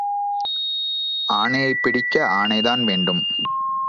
ஆனையைப் பிடிக்க ஆனைதான் வேண்டும்.